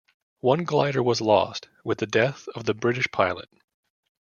One glider was lost with the death of the British pilot.